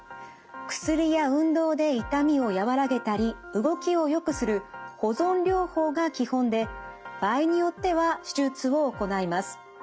薬や運動で痛みを和らげたり動きをよくする保存療法が基本で場合によっては手術を行います。